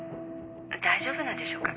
大丈夫なんでしょうか？